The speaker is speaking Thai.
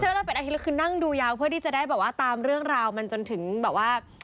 เราเป็นอาทิตย์แล้วคือนั่งดูยาวเพื่อที่จะได้แบบว่าตามเรื่องราวมันจนถึงแบบว่า